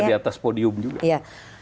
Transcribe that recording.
di atas podium juga